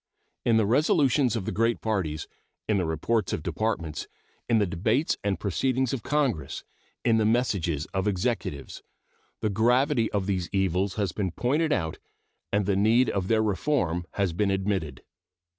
In the resolutions of the great parties, in the reports of Departments, in the debates and proceedings of Congress, in the messages of Executives, the gravity of these evils has been pointed out and the need of their reform has been admitted.